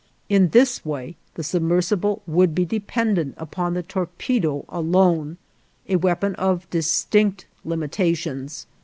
In this way the submersible would be dependent upon the torpedo alone, a weapon of distinct limitations.